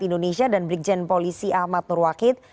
indonesia dan brigjen polisi ahmad nurwakid